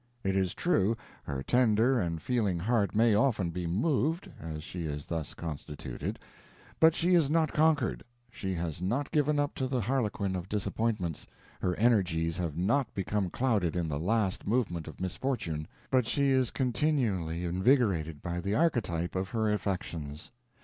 It is true, her tender and feeling heart may often be moved (as she is thus constituted), but she is not conquered, she has not given up to the harlequin of disappointments, her energies have not become clouded in the last movement of misfortune, but she is continually invigorated by the archetype of her affections.